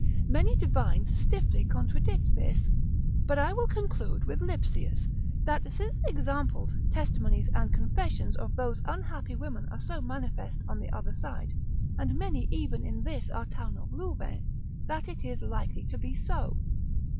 Many divines stiffly contradict this; but I will conclude with Lipsius, that since examples, testimonies, and confessions, of those unhappy women are so manifest on the other side, and many even in this our town of Louvain, that it is likely to be so.